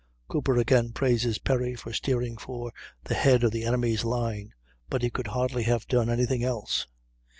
Cooper again praises Perry for steering for the head of the enemy's line, but he could hardly have done any thing else.